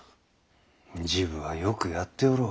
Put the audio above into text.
治部はよくやっておろう。